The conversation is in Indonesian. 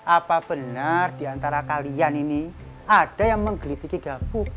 apa benar diantara kalian ini ada yang menggelitiki gabu